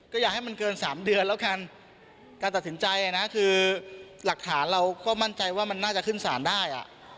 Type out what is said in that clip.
ก็อย่าให้มันเกิน๓เดือนแล้วกันการตัดสินใจนะคือหลักฐานเราก็มั่นใจว่ามันน่าจะขึ้นสารได้